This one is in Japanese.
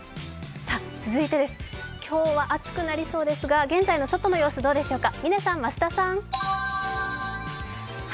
続いてです、今日は暑くなりそうですが現在の外の様子、どうでしょうか。